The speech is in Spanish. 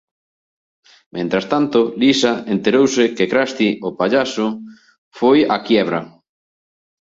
Mientras tanto, Lisa se entera que Krusty el payaso ha ido a la quiebra.